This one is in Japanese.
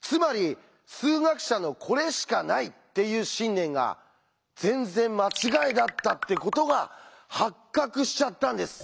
つまり数学者の「これしかない」っていう信念が全然間違いだったってことが発覚しちゃったんです。